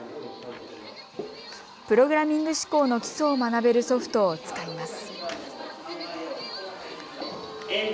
プログラミング思考の基礎を学べるソフトを使います。